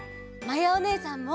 まやおねえさんも！